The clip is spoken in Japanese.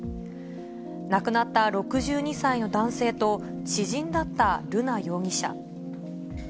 亡くなった６２歳の男性と知人だった瑠奈容疑者。